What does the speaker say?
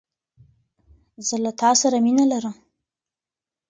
زه تاسره مینه لرم